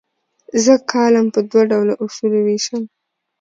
زه کالم په دوه ډوله اصولو ویشم.